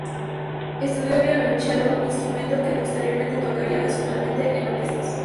Estudió violonchelo, instrumento que posteriormente tocaría ocasionalmente en orquestas.